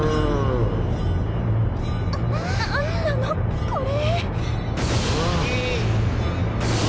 何なのこれ？